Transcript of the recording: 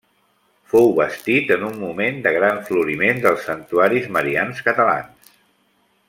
Fou bastit en un moment de gran floriment dels santuaris marians catalans.